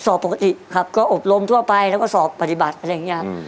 ก็สอบปกติครับแล้วก็อบรมทั่วไปแล้วก็สอบปฏิบัติอะไรอย่างเนี่ย